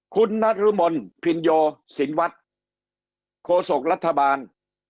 คุณนรมนพินโยสินวัฒน์โคศกรัฐบาล